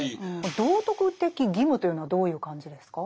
「道徳的義務」というのはどういう感じですか？